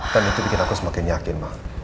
dan itu bikin aku semakin yakin